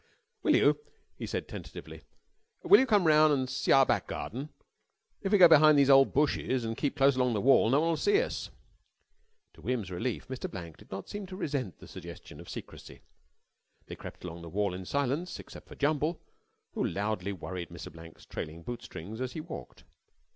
"Will you," he said tentatively, "will you come roun' an' see our back garden? If we go behind these ole bushes and keep close along the wall, no one'll see us." To William's relief Mr. Blank did not seem to resent the suggestion of secrecy. They crept along the wall in silence except for Jumble, who loudly worried Mr. Blank's trailing boot strings as he walked.